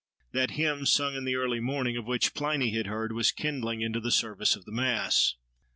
That hymn sung in the early morning, of which Pliny had heard, was kindling into the service of the Mass.